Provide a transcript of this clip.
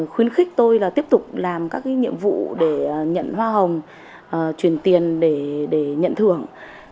khuyến khích tôi tiếp tục làm các nhiệm vụ để nhận hoa hồng chuyển tiền để nhận thưởng